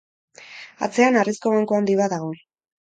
Atzean, harrizko banku handi bat dago.